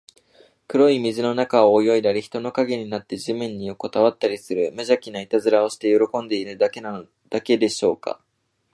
黒い水の中を泳いだり、人の影になって地面によこたわったりする、むじゃきないたずらをして喜んでいるだけでしょうか。